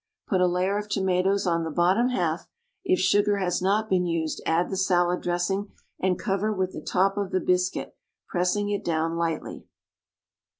Put a layer of tomatoes on the bottom half, if sugar has not been used, add the salad dressing, and cover with the top of the biscuit, pressing it down lightly.